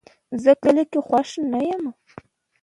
زه کلي کې خوښ نه یم